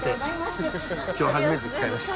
今日初めて使いました。